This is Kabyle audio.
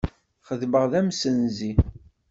Xeddmeɣ d amsenzi.